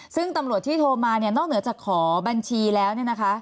ซึ่งตำรวจที่โทรมาเนี่ยนอกเหนือจากขอบัญชีแล้วเนี่ยนะคะ